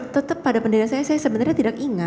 tetap pada pendidikan saya saya sebenarnya tidak ingat